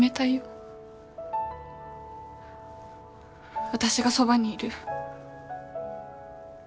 私がそばにいる。